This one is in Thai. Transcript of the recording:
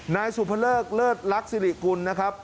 นายสุภเลิกเลิศลักษิริกุลนะครับ